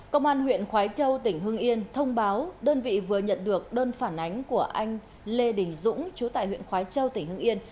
công an huyện khói châu tỉnh hưng yên thông báo đơn vị vừa nhận được đơn phản ánh của anh lê đình dũng chú tại huyện khói châu tỉnh hương yên